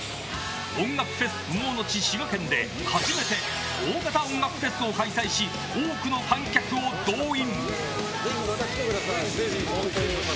音楽フェス不毛の地、滋賀県で初めて大型音楽フェスを開催し多くの観客を動員。